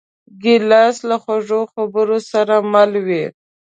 ګیلاس له خوږو خبرو سره مل وي.